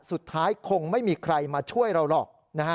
สุดท้ายคงไม่มีใครมาช่วยเราหรอก